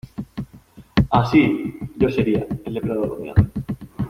Así, yo sería... El depredador dominante .